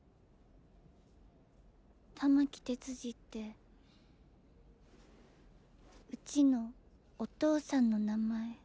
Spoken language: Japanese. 玉木哲司ってうちのお父さんの名前。